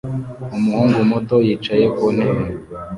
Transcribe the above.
Umuhungu muto yicaye ku ntebe